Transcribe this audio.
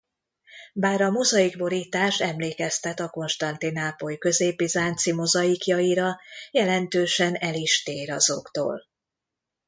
Bár a mozaik borítás emlékeztet a Konstantinápoly közép-bizánci mozaikjaira jelentősen el is tér azoktól.